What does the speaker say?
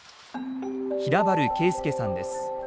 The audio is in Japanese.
平原圭介さんです。